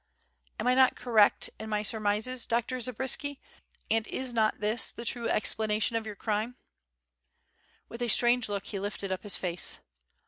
"Am I not correct in my surmises, Dr. Zabriskie, and is not this the true explanation of your crime?" With a strange look, he lifted up his face.